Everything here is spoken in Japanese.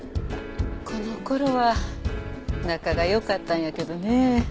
この頃は仲が良かったんやけどねえ。